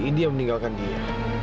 indi yang meninggalkan dia